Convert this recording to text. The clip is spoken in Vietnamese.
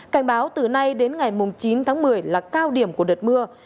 cảnh báo từ nay đến ngày chín tháng một mươi là cao điểm của đợt mưa